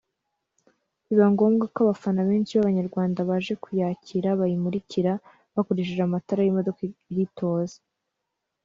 biba ngombwa ko abafana benshi b’Abanyarwanda baje kuyakira bayimurikira bakoresheje amatara y’imodoka iritoza